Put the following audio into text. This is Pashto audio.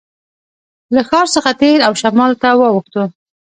له ښار څخه تېر او شمال ته واوښتو.